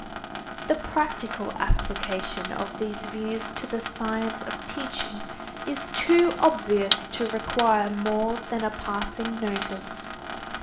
The practical application of these views to the science of teaching, is too obvious to require more than a passing notice.